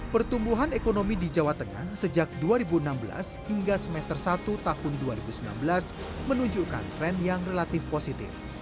pertumbuhan ekonomi di jawa tengah sejak dua ribu enam belas hingga semester satu tahun dua ribu sembilan belas menunjukkan tren yang relatif positif